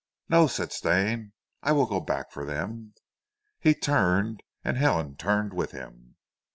"No," said Stane, "I will go back for them." He turned, and Helen turned with him.